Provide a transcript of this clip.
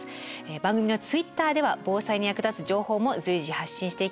番組のＴｗｉｔｔｅｒでは防災に役立つ情報も随時発信していきます。